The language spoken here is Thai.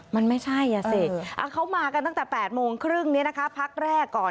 มันไม่ใช่อ่ะสิเขามากันตั้งแต่๘โมงครึ่งนี้นะคะพักแรกก่อน